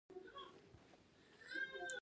افغانستان له مس ډک دی.